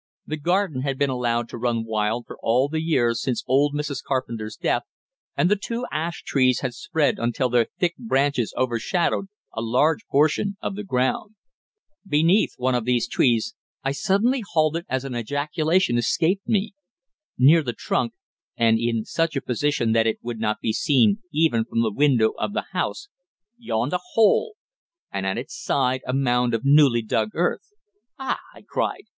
The garden had been allowed to run wild for all the years since old Mrs. Carpenter's death, and the two ash trees had spread until their thick branches overshadowed a large portion of the ground. Beneath one of these trees I suddenly halted as an ejaculation escaped me. Near the trunk, and in such a position that it would not be seen even from the windows of the house, yawned a hole, and at its side a mound of newly dug earth. "Ah!" I cried.